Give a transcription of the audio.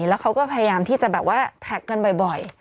แล้วเขาก็พยายามที่จะแบบว่าแท็กกันบ่อย